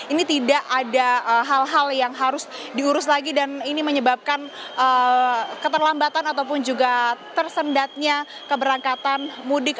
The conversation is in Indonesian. ini tidak ada hal hal yang harus diurus lagi dan ini menyebabkan keterlambatan ataupun juga tersendatnya keberangkatan mudik